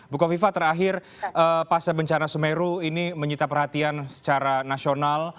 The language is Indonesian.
bukoviva terakhir pasca bencana sumeru ini mencita perhatian secara nasional